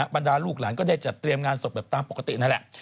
บรรดาลูกหลานก็ได้จัดเตรียมงานศพแบบตามปกตินั่นแหละ